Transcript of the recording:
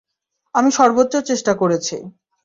আমি সর্বোচ্চ চেষ্টা করেছি।